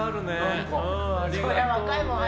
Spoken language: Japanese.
そりゃ若いもん。